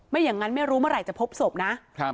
อย่างนั้นไม่รู้เมื่อไหร่จะพบศพนะ